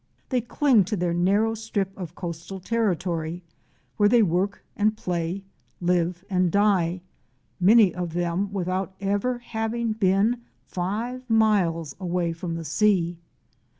They cling to their narrow strip of coastal territory, where they work and play, live and die, many of them without ever having been five miles away GEORGETOWN. 113 from the sea.